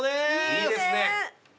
いいですね。